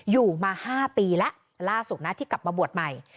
อยู่มา๕ปีแล้วล่าสุดนะที่กลับมาบวชใหม่